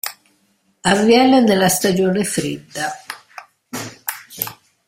Avviene nella stagione fredda.